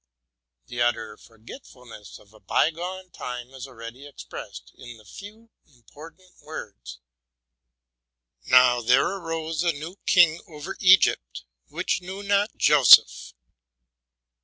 The utter forgetfulness of a by gone time is already expressed in the few important words, '' Now there arose a new king over Egypt, which knew not Joseph.